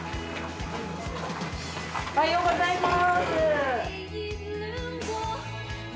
おはようございます。